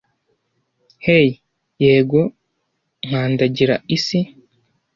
hey yego nkandagira isi